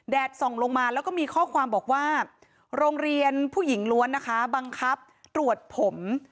ส่องลงมาแล้วก็มีข้อความบอกว่าโรงเรียนผู้หญิงล้วนนะคะบังคับตรวจผม